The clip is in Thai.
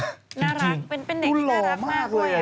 น่ารักเป็นเด็กที่น่ารักมากด้วย